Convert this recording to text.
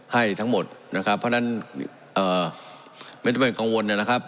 ให้ทั้งหมดเพราะฉะนั้นไม่ต้องเป็นกังวลนะครับ